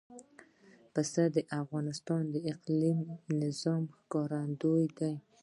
پسه د افغانستان د اقلیمي نظام ښکارندوی ده.